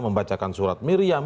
membacakan surat miriam